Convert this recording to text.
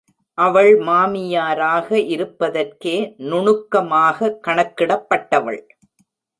அவள் மாமியாராக இருப்பதற்கே நுணுக்கமாக கணக்கிடப்பட்டவள்.